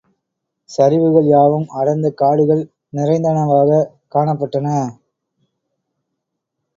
சரிவுகள் யாவும் அடர்ந்த காடுகள் நிறைந்தனவாகக் காணப்பட்டன.